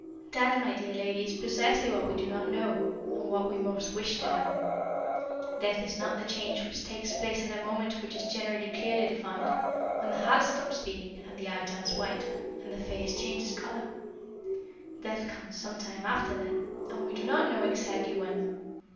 "That, my dear lady, is precisely what we do not know, and what we most wish to know. Death is not the change which takes place at a moment which is generally clearly defined, when the heart stops beating, and the eye turns white, and the face changes colour. Death comes some time after that, and we do not know exactly when.